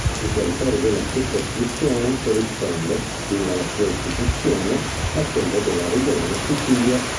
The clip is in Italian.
Il territorio della circoscrizione corrisponde, fin dalla sua istituzione, a quello della regione Sicilia.